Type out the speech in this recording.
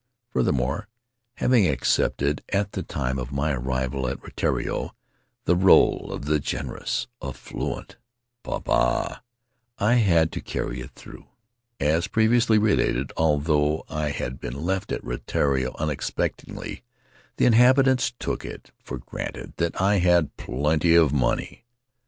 Further more, having accepted, at the time of my arrival at Rutiaro, the role of the generous, affluent popaa, I had to carry it through. As previously related, although I had been left at Rutiaro unexpectedly, the 14 [ 197 ] Faery Lands of the South Seas inhabitants took it for granted that I had plenty of money.